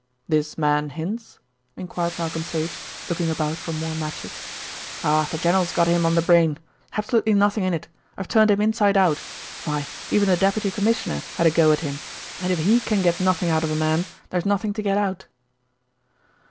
"This man Hinds?" enquired Malcolm Sage, looking about for more matches. "Oh! the general's got him on the brain. Absolutely nothing in it. I've turned him inside out. Why, even the Deputy Commissioner had a go at him, and if he can get nothing out of a man, there's nothing to get out."